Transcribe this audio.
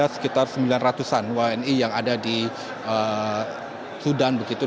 sekitar sembilan ratusan wni yang ada di sudan begitu